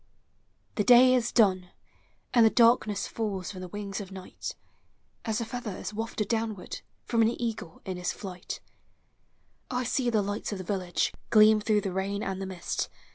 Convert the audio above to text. The day is done, and the darkness Falls from the wings of Night, As a feather is wafted downward From an eagle in li is tiight. 1 see the lights of the village (tleam through the rain and the mist.